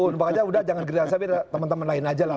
numpak aja udah jangan gerilang saya biar teman teman lain aja lah